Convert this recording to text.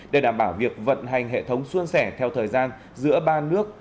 để đảm bảo việc vận hành hệ thống xuân sẻ theo thời gian giữa ba nước